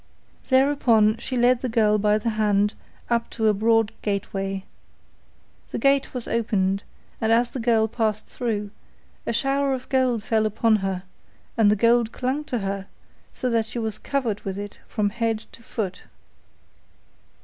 Thereupon she led the girl by the hand up to a broad gateway. The gate was opened, and as the girl passed through, a shower of gold fell upon her, and the gold clung to her, so that she was covered with it from head to foot.